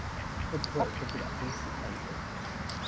會不會過不了金屬探測